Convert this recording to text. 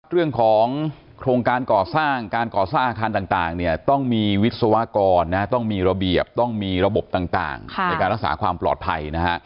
เรื่องของโครงการก่อสร้างการก่อสร้างอาคารต่างเนี่ยต้องมีวิศวกรนะต้องมีระเบียบต้องมีระบบต่างในการรักษาความปลอดภัยนะฮะ